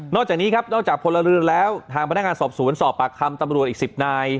จากนี้ครับนอกจากพลเรือนแล้วทางพนักงานสอบสวนสอบปากคำตำรวจอีก๑๐นาย